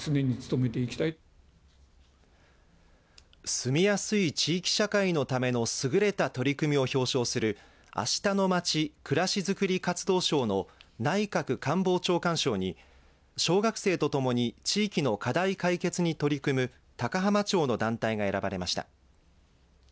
住みやすい地域社会のためのすぐれた取り組みを表彰するあしたのまち・くらしづくり活動賞の内閣官房長官賞に小学生とともに地域の課題解決に取り組む高浜町の団体が選ばれました。